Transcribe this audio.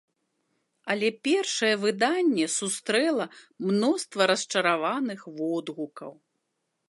Але першае выданне сустрэла мноства расчараваных водгукаў.